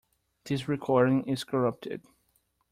This recording is corrupted.